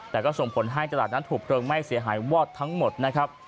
แต่ก็ส่งผลให้ตลาดนั้นถูกเพลิงไหม้เสียหายวอดทั้งหมดนะครับ